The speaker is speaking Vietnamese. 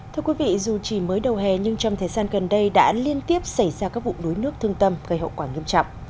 thưa quý vị dù chỉ mới đầu hè nhưng trong thời gian gần đây đã liên tiếp xảy ra các vụ đuối nước thương tâm gây hậu quả nghiêm trọng